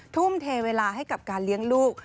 ทุ่มเทเวลาให้กับการเลี้ยงลูก